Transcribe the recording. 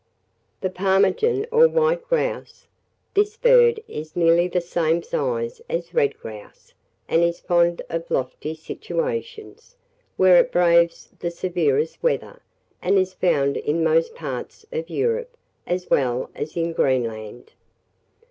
THE PTARMIGAN, OR WHITE GROUSE. This bird is nearly the same size as red grouse, and is fond of lofty situations, where it braves the severest weather, and is found in most parts of Europe, as well as in Greenland.